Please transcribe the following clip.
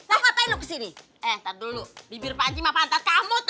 eh ntar dulu bibir panci mah pantat kamu tuh